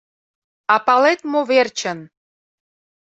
А палет мо верчын?